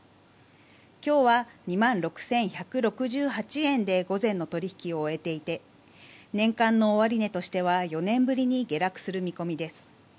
今日は２万６１６８円で午前の取引を終えていて年間の終値としては４年ぶりに下落する見込みです。